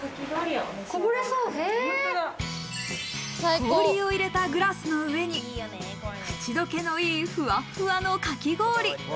氷を入れたグラスの上に口どけのいい、ふわふわのかき氷！